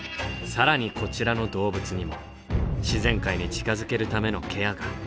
更にこちらの動物にも自然界に近づけるためのケアが。